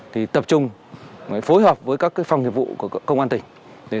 thì tập trung phối hợp với các phòng nghiệp vụ của công an tỉnh